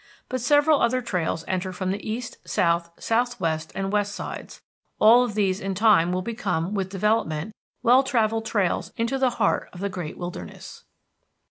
But several other trails enter from the east, south, southwest, and west sides. All of these in time will become, with development, well travelled trails into the heart of the great wilderness.